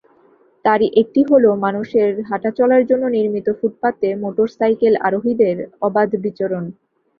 তারই একটি হলো মানুষের হাঁটাচলার জন্য নির্মিত ফুটপাতে মোটরসাইকেল আরোহীদের অবাধ বিচরণ।